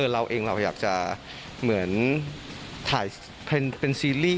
เราเองเราอยากจะเหมือนถ่ายเป็นซีรีส์